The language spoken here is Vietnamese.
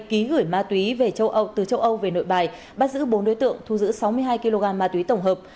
ký gửi ma túy về châu âu từ châu âu về nội bài bắt giữ bốn đối tượng thu giữ sáu mươi hai kg ma túy tổng hợp